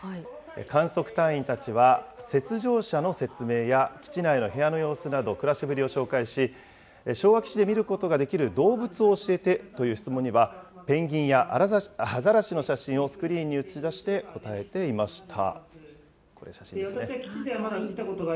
観測隊員たちは雪上車の説明や、基地内の部屋の様子など、暮らしぶりを紹介し、昭和基地で見ることができる動物を教えてという質問には、ペンギンやアザラシの写真をスクリーンに映し出して答えていました。